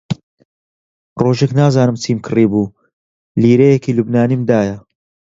ڕۆژێک نازانم چم کڕیبوو، لیرەیەکی لوبنانیم دایە